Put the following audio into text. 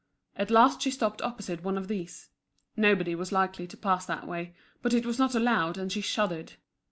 At last she stopped opposite one of these. Nobody was likely to pass that way; but it was not allowed, and she shuddered.